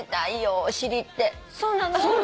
そうなの？